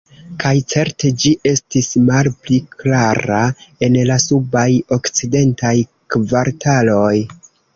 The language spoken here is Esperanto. Kaj certe ĝi estis malpli klara en la subaj okcidentaj kvartaloj.